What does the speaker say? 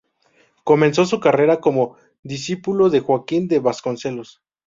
Comenzó su carrera como discípulo de Joaquim de Vasconcelos.